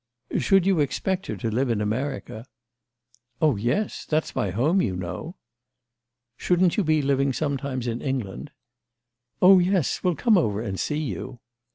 "Should you expect her to live in America?" "Oh yes. That's my home, you know." "Shouldn't you be living sometimes in England?" "Oh yes—we'll come over and see you."